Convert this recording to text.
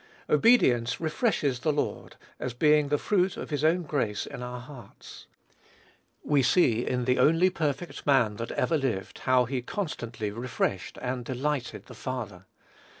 Obedience refreshes the Lord, as being the fruit of his own grace in our hearts. We see in the only perfect man that ever lived how he constantly refreshed and delighted the Father.